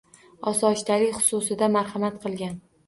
Osoyishtalik xususida marhamat qilgan